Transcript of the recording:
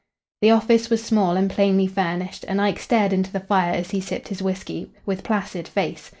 The office was small and plainly furnished, and Ike stared into the fire as he sipped his whisky, with placid face.